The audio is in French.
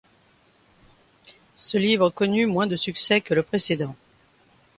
Ce livre connut moins de succès que le précédent.